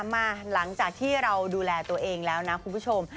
มาหลังจากที่เราดูแลตัวเองแล้วนะคุณผู้ชม